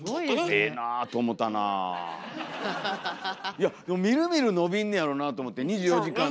いやみるみる伸びんねやろなと思って２４時間で。